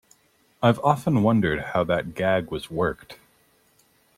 I've often wondered how that gag was worked.